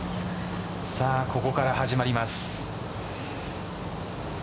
ここから始まります。